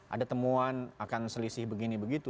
ada temuan akan selisih begini begitu